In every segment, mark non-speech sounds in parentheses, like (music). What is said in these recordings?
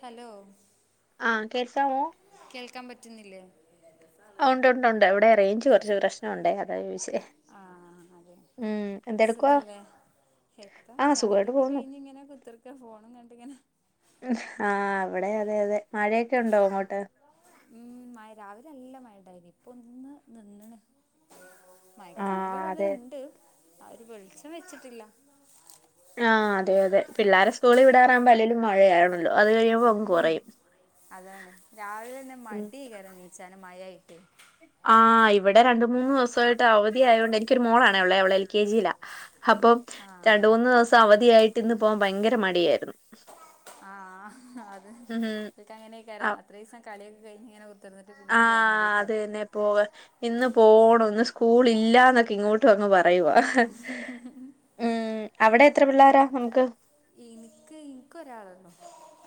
Hello ആഹ് കേസാവോ കേൾക്കാൻ പറ്റുന്നില്ലേ. ഉണ്ട് ഉണ്ട് ഉണ്ട് ഇവിടെ റേഞ്ച് കൊർച്ച് പ്രശ്നുണ്ടേ അത ചോയിച്ചേ ആഹ് അതെ ഉം എന്തെടുക്കുവ. എപ്പാ ചാടിയൊക്കെ കഴിഞ്ഞ ഇങ്ങനാ കുത്തിർക്ക ഫോണും കണ്ടിങ്ങനെ ആഹ് അവിടെ അതെ അതെ. മഴയൊക്കെ ഉണ്ടോ അങ്ങോട്ട്? ഉം മഴ രാവിലെ നല്ല (unintelligible) മയക്കാറിന്റെ ആഹ് അതെ ഒരിതുണ്ട്. വെളിച്ചം വെച്ചിട്ടില്ല ആഹ് അതെ അതെ. പിള്ളാരാ സ്കൂളിൽ വിടാറാവുമ്പോ അല്ലേലും മഴയാണ്. അതാണ് രാവിലെ തന്നെ ഉം മടി കേറനീച്ചാന് മഴായിട്ട്. ഉ (unintelligible) ആ ഇവിടെ രണ്ട മൂന്ന് ദിവസമായിട്ട് അവധി ആയത് കൊണ്ട്, എനിക്കൊരു മോളാണേ ഉള്ളെ അവള് എൽ കെ ജി ലാ. അപ്പം രണ്ട ആഹ് മൂന്നു ദിവസം അവധിയായിട്ട്, ഇന്ന് പോകൻ ഭയങ്കര മടിയായിരുന്നു. ആഹ അത് ഉം എക്ക് അങ്ങനെയൊക്കെ ആ ക്കാരാം. അത്രിസം കളിയൊക്കെ കഴിഞ്ഞ് ഇങ്ങനെ കുത്തിർന്നിട്ട് പിന്നെ പോവാൻ ആഹ് മടിയേക്കാരം അതന്നെ പോവ ഇന്ന് പോണം ഇന്ന് സ് സ്കൂൾ ഇല്ലാന്നൊക്കെ ഇങ്ങോട്ടു വന്നു പറയുവാ. ഉം അവിടെ എത്ര പിള്ളാര നിങ്ങക്ക് എനിക്ക് എന്ക്ക ഒരാളള്ളു.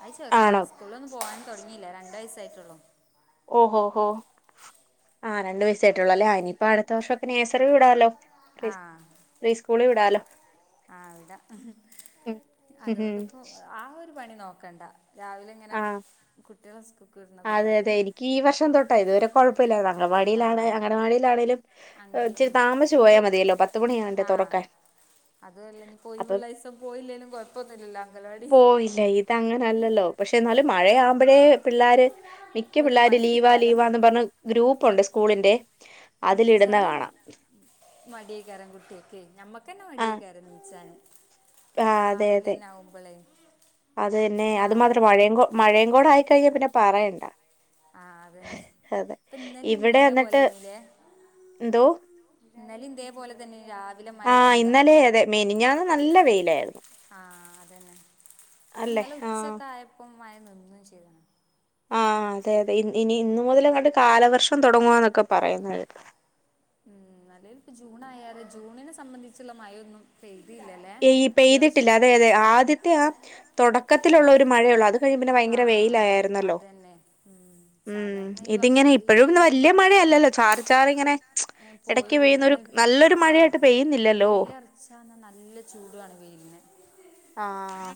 അത് ചെറുതാ ആണോ സ്കൂളിലൊന്നും പോകാൻ തുടങ്ങിയില്ല. രണ്ട വയസായി.. പട്ടളോ ഓഹോ ഹൊ ആഹ് രണ്ട് വയസായിട്ടൊള്ളു ലെ അനിയിപ്പ അടുത്ത വർഷം ഒക്കെ നയ്‌സറി വിടാലോ പ്രീ പ്രീ സ്കൂള് വിടാലോ ആവിടാ ഉം അതുകൊണ്ടിപ്പോ ആ ഒരു പണി നോക്കണ്ട രാവിലെ ഇങ്ങനെ ആ കുട്ടികളെ സ്കൂൾക്ക് വിടുന്നതും അതെ അതെ കാര്യമൊന്നും എനിക്ക് ഈ വർഷം തൊട്ട ഇതുവരെ കൊഴപ്പില്ലാതാ ആ അംഗനവാടീലാണ് അങ്കനവാടിയിലാണെലും അങ്കിൾ ഇച്ചരി താമസിച്ചു പോയാ ഇനിയിപ്പോൾ മതിയല്ലോ പത്തുമണിയാണ്ടെ തുറക്കാൻ അപ്പം അതല്ലഞ്ഞിപ്പൊയിവുള്ള ഇസം പോയില്ലേലും കൊഴപ്പൊനുല്ലലു അംഗലവാടി പോയില്ല ഇതങ്ങനല്ലല്ലോ. പക്ഷെ എന്നാലും മഴ ആവുമ്പോഴേ പിള്ളേർ മിക്ക ഒരു പിള്ളേര് ലീവാ, മടിക്കാരം ലീവാന്നു പറഞ്ഞ് ഗ്രൂപ്പുണ്ട് സ് കൂളിൻ്റെ നീച്ചാനും മടിയേകാരം കുട്ടിയോക് ഞമ്മ ക്കെന്നെ ആഹ് മടിയെകാരും നീചനും രാവിലെന്നെ ആവുമ്പളേ അതന്നെ അത്മാത്രം മഴകുടെ, മഴയുംകൂടെ ആയിക്കഴിഞ്ഞാൽ പിന്നെ പറയണ്ട ആ അതന്നെ അതെ, ഇപ്പം ഇന്നലെ ഇവിടെ, ഇതേപോലെ ന്നിട്ട് തന്നെയല്ലേ ന്തോ ഇന്നലെ ഇതേപോലെ തന്നെ രാവിലെ മഴ ആ തുടങ്ങിയതാ ഇന്നലെ അതെ മെനിഞ്ഞാന്ന് നല്ല വെയി... ആ, അതന്നെ അല്ലെ ഇന്നലെ ആഹ് ഉച്ചൊക്കെ ആയപ്പം മയ, ശെയ്തിണ് ആ, അതെ, അതെ, ഇനി, ഇന്ന് മുതലങ്ങണ്ട്. കാലവർഷം തൊ ടങ്ങ ഉം, നല്ലൽ ഇപ്പ ജൂൺ ആയരെ ജൂണിനെ സംബന്ധിച്ചുള്ള മഴയൊന്നും പെയ് പെയ്, പെയ്തിട്ടില്ല അതെ, അതെ, ആദ്യത്തെ ആ, ആം, തുടക്കത്തിലുള്ള ഒരു മഴയള്ളൂ അത്... കഴിഞ്ഞ് പിന്നെ ആ, ഭയങ്കര ആ, വെയിലായിരുന്നല്ലോ അതന്നെ, ഉം, സാധാരണ. ഈ, വർഷം. ഈ, ഒരു മാസം... ല്ലല്ലോ, ചാറി, ചാറി, ഇങ്ങനെ യേം, പോയി ഇടയ്ക്ക് പെയ്യുന്ന വരന്ന ഒരു വെ, നല്ലൊരു ആ മഴയായിട്ട് പെയ്യുന്നില്ലല്ലോ വെയിലറച്ചാന്ന നല്ല... നല്ല ചൂടുണ്, വെയ്ൽൻ.. ആ...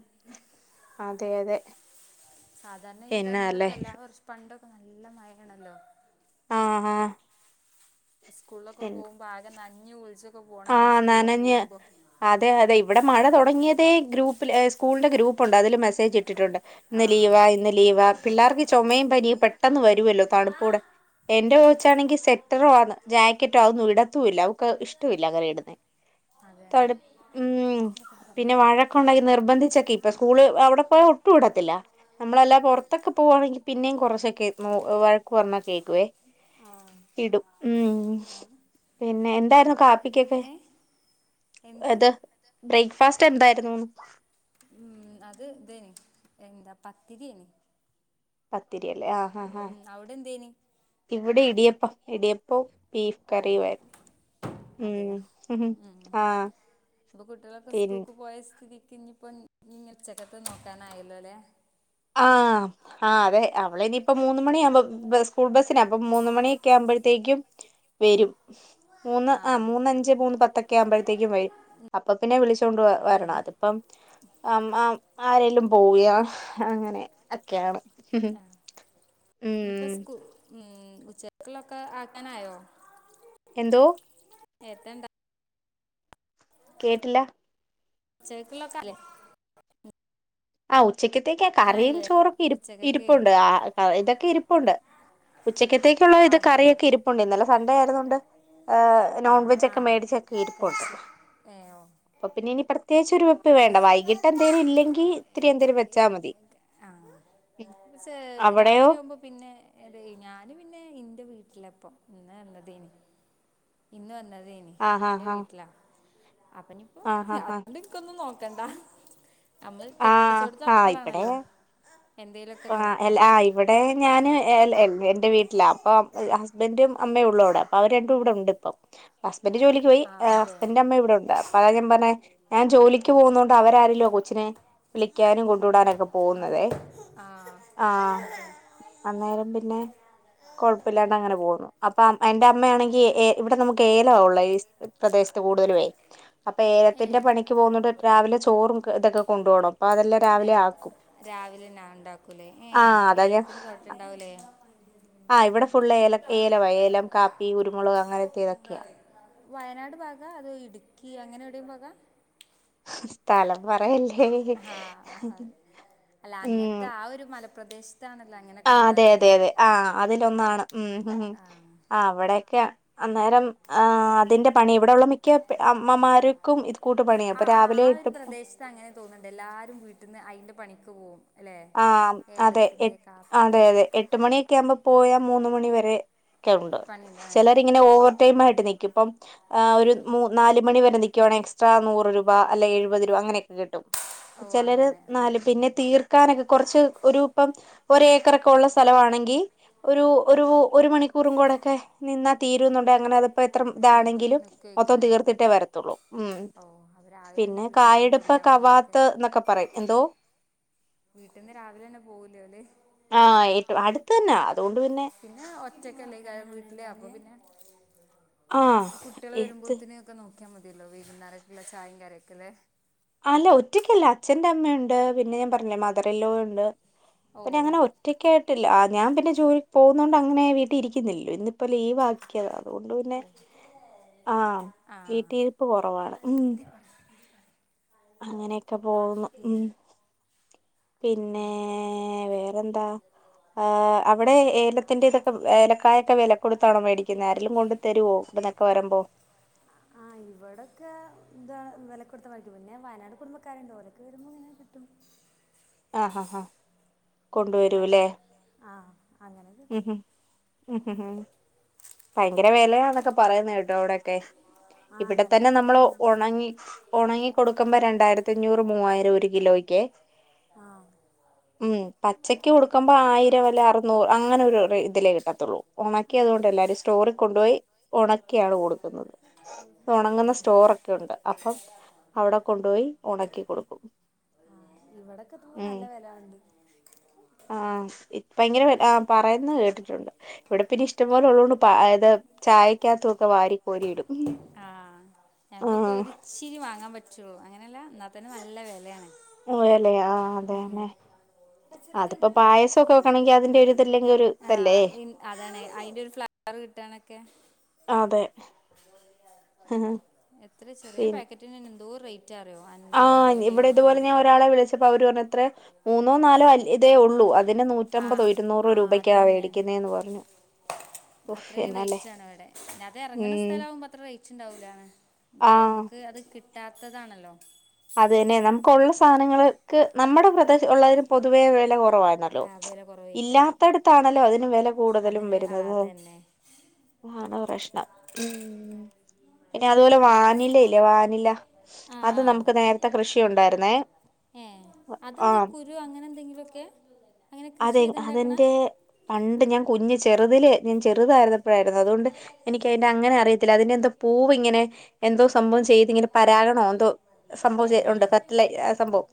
ഉം, അതെ, അതെ സാധാരണ ഈ, എന്നാല്ലേ ടൈമിലൊക്കെ എല്ലാ വർഷ പണ്ടൊക്കെ. നല്ല മഴേണല്ലോ.. ആഹ... സ്കൂളൊക്കെ. പോകുമ്പോൾ ആകെ നഞ്ഞ്. കുളിച്ചു... ആഹ നനഞ്ഞ് അതെ, അതെ, ഇവിടെ, മഴ തുടങ്ങി... പ്രത്േ (unintelligible) ഗ്രൂപ്പിൽ സ്കൂളി്ന്റെ, ഗ്രൂപ്പുണ്ട്. അതിൽ മെസജ് ഇട്ടിട്ടുണ്ട് ആ ഇന്ന് ലീവാ, ഇന്ന് ലീവാ അതെ പിള്ളേർക്ക് ചോ മയും, പനിയും, പെട്ടെന്ന്, വരുവല്ലോ തണുപ്പൂടെ... എന്റെ, കൊച്ചാണെങ്കി. സെത്റോണ്. ജാക്കറ്റോ. അവൊന്നു. ഇടത്തുല്ല. അവക്ക്. ഇഷ്ട്ടൊല്ല. അങ്ങനെ ഇടുന്ന അ,... (unintelligible) ഉം... പിന്നെ വഴക്കുണ്ടാങ്കി. നിർബന്ധിച്ചൊക്കെ ഇപ്പൊ സ്കൂള് അവിടെ പോ ഒട്ടു. ഇടത്തില്ല.. നമ്മളല്ല പുറത്തൊക്കെ പോവുകവാണെങ്കിൽ പിന്നെയും കുറശോക്കെ നോ... വഴക്ക് പറഞ്ഞ കേകുവേ. ആ ഇടും, ഉം, പിന്നെ എന്താരുന്നു... (unintelligible) പ്പി കേക്ക്.. ഏ എന്ത് അത്. ബ്രേക്ക്ഫാസ്റ്റ് എന്തായിരുന്നുന്ന്... ഉം, (unintelligible) എന്താ, പത്തിരിയെനി.... പത്തിരിയല്ലേ. ആഹ, ആ, ആ, എന്തേനി ഇവിടെ. ഇടിയപ്പം... ഇടിപ്പോ, ബീഫ് കറിയു (unintelligible) അതെയ. ഹ് ഉ, ഉം, ആഹ് ഇബോ കുട്ടിളൊക്കെ പിൻ സ്കൂക്ക്. പോയ സ്ഥിതി ഇകിനിപ്പോ. (unintelligible) ഉച്ചക്കത്ത് നോക്കാനായല്ലോലെ... ആ, ആം, ആ, അതെ, അവളെ ഇനി പ്പോ മൂന്നു. മണി ആകുമ്പോ (unintelligible) ആ്പഴത്തേക്കും വരും മൂന്ന്. ആഹ് ആ അതെ മൂന്ന അഞ്ച്. മൂന്ന് പത്തൊക്കെ ആവുമ്പോഴത്തേക്കും വരും.... അപ്പൊതിന്നു വിളിച്ചൊണ്ട് വ. ഉം വരണം അതിപ്പം ആം, ആ, ആരെലും പോവുക അങ്ങനെ ഒക്കെയാണ് (unintelligible) ആഹ, ഇനിപ്പ, ഉം സ്ക്ക്. ഉം.. ഉച്ചക്ള്ളൊക്കെ ആക്കാനായോ. എന്തോ.. ഏത്തണ്ട.... കേട്ടില്ല ഉച്ചക്കക്ക് ഉള്ളലോക്കെ ആയിലെ ആ ഉച്ചക്കത്തേക്കാ കറിയും ചോറൊക്കെ ഇ് ഉച്ചക്കക്ക് ഇരിപ്പുണ്ട് ആ ഇതൊക്കെ ഇരിപ്പുണ്ട് ഉച്ചക്കത്തേക്കുള്ള ഇത് അതെ കറിയൊക്കെ ഇരിപ്പുണ്ടുന്നല്ലെ ഇന്നലെസൺണ്ടേ ആയത്കൊണ്ട് ആഹ് നോൺവെജ് ഒക്കെ ആഹ് മേടിച്ചക്കെ ഇരിപ്പുണ്ട് കഴിച്ചു ഏഹ് അപ്പൊ പിന്നെ ഇനി പ്രത്യേകിച്ച് വേണ്ട വൈകിട്ട് എന്തേിലും ഇല്ലെങ്കിൽ ഇത്തിരി എന്തേിലും വെച്ചാ മതി ആ പക്ഷേ അവിടെയോ രാത്രിയാവുമ്പോ പിന്നെ ഞാന് പിന്നെ എന്റെ വീട്ടി വീട്ടിലപ്പൊ ഇന്ന് വന്നതേനി ഇന്ന് വന്നതേനി ആഹ് എന്റെ ആഹ് ആഹ് വീട്ടിലാ അപ്പോനി ഇപ്പോ ആഹ് ആഹ് അതുകൊണ്ട് ഇനക്കൊന്നും നോക്കണ്ടാ നമ്മള് കെട്ടി ചോട്ത്ത് അക്കുമ്പോളാണ് അല്ലോ ആ ആ ഇവിടെ ഞാന് എന്റവീട്ടൽ അപ്പോ അഹസ്ബന്റും അമ്മയും ഉള്ളൂ അവിടെ അപ്പൊ അവര് രണ്ടും ഇവിടെ ഉണ്ട് ഇപ്പോ ഹസ്ബന്റെ ജോലിക്ക് പോയി് ആ അതെ ഹസ്ബന്റിന്റെഅമ്മ ഇവിടെ ഉണ്ട് അപ്പ അപ്പോള ഞാൻ പറഞ്ഞ ഞാൻ ജോലിക്ക് പോകുന്ന കൊണ്ട് അവര് ആരങ്കിലു ആകൊച്ചിനെ കുളിക്കാനും കൊണ്ടു വിടാന്ഒക്കെ അതെ ആ ആഹ അതെ അന്നേരം പിന്നെ കുഴപ്പമില്ലാണ്ട് അങ്ങനെ പോകുന്നു അപ്പൊ എന്റെ അമ്മയാണെങ്കിൽ ഏ ഇവിടെ നമുക്ക് ഏല ആണുള്ള ഈ പ്രദേശത്ത് കൂടുതല് വേ അപ്പൊ ഏ ഏലത്തിന്റെ പണിക്ക് പോകുന്ന് രാവിലെ ചോറും ഇതൊക്കെ കൊണ്ടുപോകണം അപ്പം അതെല്ലാം രാവിലെ ആക്കും രാവിലെന്നാ ഉണ്ടാക്കൂലേ ഏ ആ അതാ ഞാൻ ഏലത്തിന് തൊട്ടുണ്ടാവൂലേ എ ആ ഇവിടെ ഫുള്ള് ഏല ഏല ഏലം കാപ്പി കുരുമുളക് അങ്ങനത്തെ ഇതൊക്കെയാ വയനാട് ഭാഗ അതോ ഇടുക്കി അങ്ങനെ എവിടെേയും ഭാഗ സ്ഥലം പറയല്ല ഹ ഹ അല്ല ഉം. അങ്ങനത്തെ ആ ഒരു മലപ്രദേശ ആ അതെ അതെ അതെ ആ അതിലൊന്നാണ് ഉ ആ ആ് അവിടെയൊക്കെ അന്നേരം ആ അതിന്റെ പണി ഇവിടെ ഉള്ള മിക്ക അമ്മമാർക്കും കൂട്ട് പണിയാണ് ആ അപ്പം ആ രാവിലെ ആ ഒരു ഇട്ട് പ്രദേശത്ത് അങ്ങനെ തോന്നുന്നുണ്ട് എല്ലാരും വീട്ടിൽന്ന് അയിന്റെ പണിക്ക് പോകും ആ അതെ എ അതെ അതെ എട്ട്മണിയൊക്കെ ആകുമ്പോ പോയാ മൂന്ന് മണിവരെ ഒക്കെ ഉണ്ട് പണിയുണ്ട് ആ ചിലര് ഇങ്ങനെ ഓവർ ടൈം ആയിട്ട് നിക്കു ഇപ്പംഒരു നാല് മണി വരെ നൽക്കുവാണങ്ക എക്സ്ട്രാ നൂറ് രൂപ അല്ലെ എഴുപത് രൂപ അങ്ങനെയൊക്കെ കിട്ടും ഓ ചിലര് അങ്ങനെ ഉം നാല് പിന്നെ തീർ നിക്കനക്കെ കുറച്ച് ഒരു ഇപ്പം ഒ ഏക്കർ ഒക്കെ ഉള്ള സ്ഥല ആണെങ്കിൽ ഒരു ഒരു മണി കുറും കോടൊക്കെ നിന്നാൽ തീരുന്നുണ്ട് അങ്ങനെ അത് ഇപ്പോ നി എത്രഇതാണെങ്കിലും മൊത്തം നിക്കുവയ്ക്കാരം തീർത്തിട്ടേ വരത്തുള്ളൂ ഉ ഓ അവര് രാവിലെ തന്നെ പിന്നെ വീട്ടിൽന്ന് കായടുപ്പ് പോകൂലേ കവാത്ത് എന്നൊക്കെ പറയും എന്തോ വീട്ടിന്ന് രാവിലെ തന്നെ പോവൂലോ അല്ലേ ഓല് ആ ഏ അടുത്ത തന്നെ പിന്നെ ഒറ്റക്കല്ല വീട്ടിൽ ആപ്പോ പിന്നെ ആഹ് കുട്ടി എത്ത് ളോവരുമ്പോത്തിന ഒക്കെ നോക്കി നോക്കാ മതിയല്ലോ വൈന്നാരക് ഉള്ളചായയും കടിക്കലെ അല്ല ഒറ്റക്കല്ല അച്ഛന്റെ അമ്മയുണ്ട് പിന്നെ ഞാൻ പറഞ്ഞേ മദർല്ലോ ഉണ്ട് ഓ പിന്നെ അങ്ങനെ ഒറ്റക്ക ആയിട്ടില്ല ഞാൻ പിന്നെ ജോലിക്ക് പോകുന്നുകൊണ്ട് അങ്ങനെ വീട്ടിൽ ഇരിക്കുന്നില്ലോ ഇന്നിപ്പോൾ ലീവ്ക്കിയത അതുകൊണ്ട് പിന്നെ ഓ ആഹ ആ വീട്ടിരിപ്പ് കുറവാണ് ഉ അങ്ങനെയൊക്കെ പോകുന്നു ഉം പിന്നെ വേറെന്താ അവിടെ ഏലത്തിന്റെറ ഇതൊക്കെ ഏലക്കായൊക്കെ വില കൊടുത്തണം മേടിക്കുന്ന ആരിലും കൊണ്ട് തരുവോ ഗൾഫ്ന്നൊക്കെ വരുമ്പോ ആ ഇവിടെക്കെ എന്താ ഇന്നലെ കൊടുത്ത പിന്നെ വയനാട് കുടുംബക്കാരുണ്ട് ഓലക്കെ വരുമ്പോ ഇങ്ങനെ കിട്ടും ആഹഹാ ഹാ കൊണ്ടു അൽ- വരൂല്ലേ ആ അങ്ങനെ ഉം കിട്ടും ഹ് ഉം ഹ് ഹ് ഭയങ്കര പി വിലയാന്നൊക്കെ പറയുന്നത് കേട്ടു അവിടെക്കെ (inaudible) ഇവിടെ തന്നെ നമ്മള് വിലയാണ് ഒണങ്ങി ഒണങ്ങി കൊടുക്കുമ്പോ രണ്ടായിരത്തി അഞ്ഞൂറ് മൂവായിരം ഒരു കിലോയ്ക്ക് (unintelligible) ഉം പച്ചക്ക് കൊടുക്കുമ്പോ ആയിരം അല്ലേ അറുനൂറ് അങ്ങനെ ഒരു റേ ഇതിലേ കിട്ടൂ അത്രോ ഉമ്മക്ക് അതോണ്ട് എല്ലാരേം സ്റ്റോറി കൊണ്ടോയി ഒണക്കിയാണ് കൊടുക്കുന്നത് അപ്പോ ഒണങ്ങുന്നത് സ്റ്റോറൊക്കെയുണ്ട് അപ്പ അവിടെ കൊണ്ടുപോയി ഒണക്കി കൊടുക്കും ആഹ് ഇവിടെക്കെപ്പ ഉം നല്ല വെല കാണ് ണ്ട് ആഹ് ഭയങ്കര വെ പറയുന്നത് കേട്ടിട്ടുണ്ട് ഇവിടെ പിന്നെ ഇഷ്ടംപോലെ ഉള്ളതുകൊണ്ട് പ ആയത് ചായക്കകത്തക്ക വാരി കോരിയിടും ആഹ് ഞങ്ങക്കൊക്കെ ആഹ് ഒരിച്ചിരി വാങ്ങാൻ പറ്റുള്ളൂ അങ്ങനെല്ല ന്നാ തന്നെ നല്ല വിലയാണ് ഓ അല്ലെ ആഹ് ഉം. അതെന്നെ അതിപ്പോ പായസൊക്കെ വെക്കണെങ്കിൽ അതിന്റെ ഒരു ഇതില്ലെങ്കി ആ്ഹ് അതാണ് അയിന്റെ ഒരു ഫ്ലവർ കിട്ടാനൊക്കെ അതെ എത്ര ചെറിയ പാക്കറ്റിനെന്നെ എന്തോ റേറ്റ് അറിയോ അൻപത് ആഹ് അറുപത് ഇവിടെ എഴുപതൊക്കെ ഇതുപോലെ ഞാൻ കൊടുക്കണം ഒരാളെ വിളിച്ചപ്പോ അവര് പറഞ്ഞു ത്രേ മൂന്നോ നാലോ അല് ഇതേ ഉള്ളൂ അതിന് ആ നൂറ്റമ്പതോ ഇരുന്നൂറോ ആ രൂപക്കാ വേടിക്കുന്നേ എന്ന് പറഞ്ഞു ഉഫ് അത്രേം എന്നാല്ലേ റേറ്റ് ആണ് ഇവിടെ പിന്നെ അത് എറങ്ങ് ണ ഉം സ്ഥലം ആകുമ്പോ അത്ര റേറ്റ് ഉണ്ടാവൂലാന്ന് ഇതിപ്പോ ആഹ് നമുക്ക് അത് കിട്ടാത്തതാണല്ലോ അതെന്നെ നമുക്കൊള്ള സാധനങ്ങൾക്ക് നമ്മുടെ പ്രദേശ ഉള്ളതില് പൊതുവേ വില കുറവായിര്ന്നല്ലോ ആ വില കൊറവെയ്ക്കാരം വില അതിന് അതെന്നെ ആണ് പ്രശ്നം മ് പിന്നെ അതുപോലെ വാനില ഇല്ലേ വാനില ആ അത് ആ നമുക്ക് നേരത്തെ കൃഷി ഉണ്ടായിരുന്നേ ഏ അതെന്ത് ആഹ് കുരു അങ്ങനെ എന്തെങ്കിലുമൊക്കെ അങ്ങനെ കൃഷി അതെ ചെയ്തുണ്ടാക്കണ അതെന്റെ പണ്ട് ഞാൻ കുഞ്ഞേച്ച് ചെറുതില് ഞാൻ ചെറുതായിരുന്നപ്പോഴായിരുന്നു അതുകൊണ്ട് എനിക്ക് അയിന്റെ അങ്ങനെ അറിയത്തില്ല അതിന്റെ എന്താ പൂവിങ്ങനെ എന്തോ സംഭവം ചെയ്ത് ഇങ്ങനെ പരാഗണോ എന്തോ സംഭവ ഏ ചെ ഉണ്ട് കറക്ട് ലേ ആ സംഭവം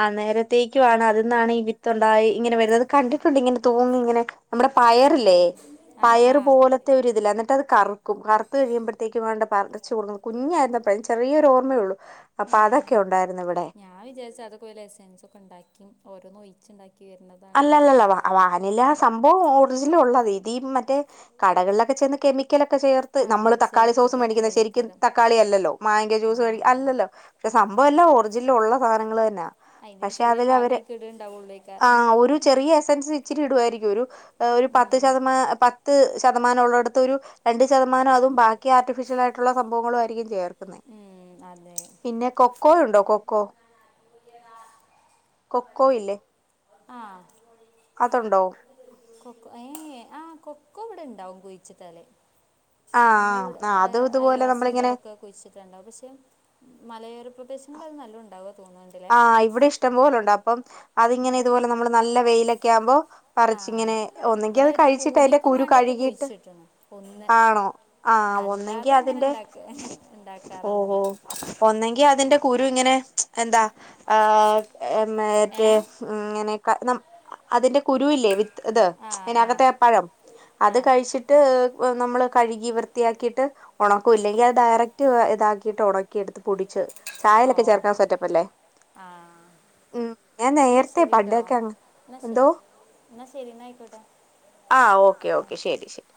ആ നേരത്തേക്കു ആണ്. അതിൽനിന്നാണ് ഈ വിത്തു ഉണ്ടായി ഇങ്ങനെ വരുന്നത് കണ്ടിട്ടുണ്ട് ഇങ്ങനെ തൂങ്ങി ഇങ്ങനെ നമ്മുടെ ആ പയറില്ലേ ആ ആ പയറ് പോലത്തെ ഒരിതില്ലേ എന്നിട്ട് അത് കറുക്കും കറുത്തു കഴിയുമ്പോഴത്തേക്കും വേണ്ട പറി ച്ചുടുന്നു കുഞ്ഞായിരുന്നപ്പഴേ ചെറിയോരർമയള്ളു ഏ അപ്പതൊക്കെ ഉണ്ടായിരുന്നു ഇവിടെ ഞാൻ വിചാരിച്ചു അതൊക്കെഎസൻസ് ഒക്കെ ഉണ്ടാക്കി ഓരോ അല്ലല്ലല്ല വാ വാനില സംഭവം ഒറിജിനൽ ഒള്ളതേ ഇതീ മറ്റേ കടകളിലൊക്കെ ചെന്ന് കെമി ക്കലൊക്കെ ചേർത്ത് ആ നമ്മള് തക്കാളി സോസു ചേർത്തിട്ട് അങ്ങനെ മേടിക്കുന്ന് ശരിക്കും വരേക്കാരം തക്കാളി അല്ലല്ലോ മായ്ങ്കോ ജ്യൂസ് മേടി ആ അല്ലല്ലോ പ സം ഭവല്ലോ ഒറിജിനല് ഉള്ള സാധനങ്ങൾ തന്നാ അയിന്റെ ഒരു പക്ഷെ ചെറിയ അതില് അവര് ഭാഗയിക്ക് ഇടേണ്ടാവുള്ളേയ്ക്കാ ആ ഒരു ചെറിയ എസൻസ് ഇച്ചിരി ഇടു ആയിരിക്കും ഒരു ഒരു പത്ത് ഉം ശതമാനം പത്ത് പത്ത് ശതമാനം ഉള്ളടൊത്തൊരു രണ്ട് ശതമാനം അതും ബാക്കി ആർട്ടിഫിഷ്യൽ ആയിട്ടുള്ള സംഭവങ്ങളും ആയിരിക്കും ചേർക്കും ക്കുന്നേ ഉം അതെ പിന്നെ കൊക്കോ ഉണ്ടോ കൊ ക്കോ കൊക്കോ ഇല്ലേ ആഹ് അതുണ്ടോ കൊക്കോ ഏ ആഹ് കൊക്കോ ഇവിടെ ഉണ്ടാവും കുഴിച്ചിട്ടാല് ആ ആ ഞങ്ങളവിടെ ആ അതും ഇതുപോലെ അയൽവാസിന്റെ നമ്മളിങ്ങനെ അവാടൊക്ക കുഴിച്ചിട്ടാണ്ടാവും പക്ഷെ മലയോര പ്രദേശങ്ങളിലാ അത് നല്ലോം ണ്ടാവ ആഹ് ഇവിടെ ഇഷ്ടമ്പോലുണ്ട് അപ്പം അതിങ്ങനെ ഇവിടെ ഇതുപോലെ നമ്മള് നല്ല വെയിലൊക്കെ ആവുമ്പോ ആഹ് പറച്ചിങ്ങനെ ഒന്നെങ്കി ഇവിടെ അത് ഒരു കഴിച്ചിട്ട് അതിന്റെ പൂതിക്കും കുരു മാണ്ടിയൊക്കെ കഴുകിട്ട് കുഴിച്ചിട്ട്ണ് ഒന്ന് ആണോ ആഹ് ഒന്നെങ്കി അല്ലാതെ അങ്ങനെ അതിന്റെ ഇണ്ടാക്ക ഓഹോ ഇണ്ടാക്കാറൊന്നുല്ല ഒന്നെങ്കി അതിന്റെ കുരു ഇങ്ങനെ എന്താ ആ മറ്റേ ഏഹ് ഇങ്ങനെ ക മ അതിന്റെ കുരുവ ഇല്ലേ വിത്ത് ഇത് ആഹ് ആഹ് അതിനകത്തെ ആ പഴം അത് ആഹ് കഴിച്ചിട്ട് നമ്മള് കഴുകി വൃത്തിയാക്കിയിട്ട് ഉണക്ക ഇല്ലെങ്കിൽ അത് ഡയറക്റ്റ് റ്റ് ഇതാക്കിയിട്ട് ഉണക്കി എടുത്ത് പൊടിച്ച് ചായലൊക്കെ ചേർക്കാൻ സെറ്റപ്പല്ലേ ആ ഉം ഞാൻ എന്നാ നേരത്തെ ശരിട്ടോ പണ്ടൊക്കെ അങ്ങ് എന്നാ എന്തോ ശരി എന്നാ ശരി എന്ന ആയിക്കോട്ടെ ആ ഓക്കെ ഓക്കെ ശരി ശരി